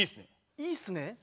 いいっすね？